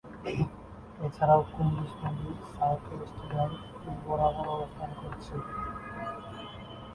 এছাড়াও কুন্দুজ নদীর south-west bank তীর বরাবর অবস্থান করছে।